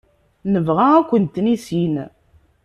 Nebɣa ad kent-nissin.